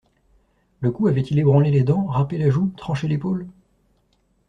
Le coup avait-il ébranlé les dents, râpé la joue, tranché l'épaule?